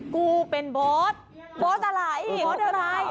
กูเป็นบอสบอสอะไรบอสอะไร